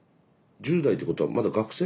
１０代ってことはまだ学生？